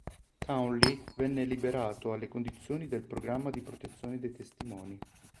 Townley venne liberato alle condizioni del Programma di protezione dei testimoni.